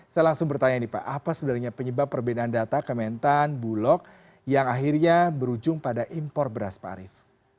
saya langsung bertanya nih pak apa sebenarnya penyebab perbedaan data kementan bulog yang akhirnya berujung pada impor beras pak arief